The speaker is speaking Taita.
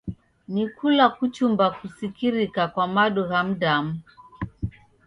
Ni kula kuchumba kusikirika kwa madu gha mdamu.